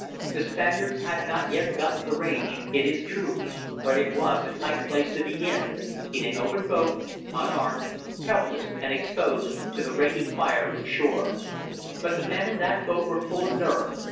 The Spaniards had not yet gotten the range, it is true, but it was a tight place to be in in an open boat, unarmed, helpless and exposed to the raking fire from shore. But the men in that boat were full of nerve.